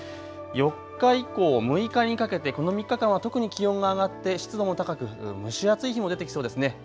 ４日以降６日にかけてこの３日間は特に気温が上がって湿度も高く蒸し暑い日も出てきそうです。